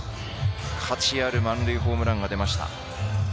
価値ある満塁ホームランが出ました。